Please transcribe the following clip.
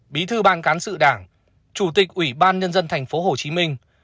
bí thư ban cán sự đảng chủ tịch ủy ban nhân dân thành phố hồ chí minh